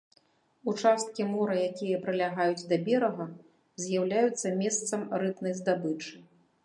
Участкі мора, якія прылягаюць да берага, з'яўляюцца месцам рыбнай здабычы.